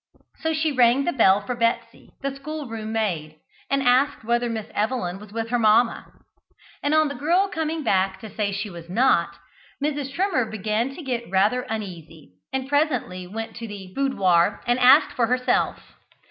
So she rang the bell for Betsy, the school room maid, and asked whether Miss Evelyn was with her mamma; and on the girl coming back to say she was not, Mrs. Trimmer began to get rather uneasy, and presently went to the boudoir and asked for herself.